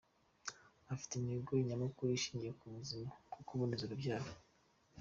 Ifite intego nyamukuru ishingiye ku buzima bwo kuboneza urubyaro.